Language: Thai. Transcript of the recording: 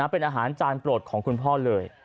เป็นอาหารจานโปรดของคุณพ่อเลย